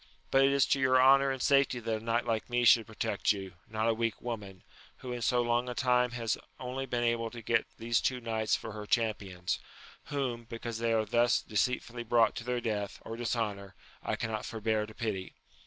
but it is to your honour and safety that a knight like me should pro tect you, not a weak woman, who in so long a time has only been able to get these two knights for her champions ; whom, because they are thus deceitfully brought to their death, or dishonour, I cannot forbear to pity.